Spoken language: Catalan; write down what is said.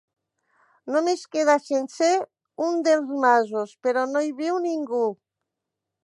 Només queda sencer un dels masos però no hi viu ningú.